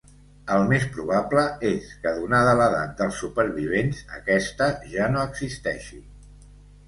El més probable és que, donada l'edat dels supervivents, aquesta ja no existeixi.